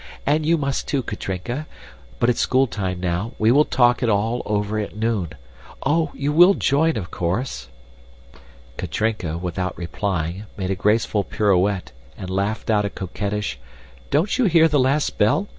And you must, too, Katrinka. But it's schooltime now, we will talk it all over at noon. Oh! you will join, of course." Katrinka, without replying, made a graceful pirouette and laughing out a coquettish, "Don't you hear the last bell?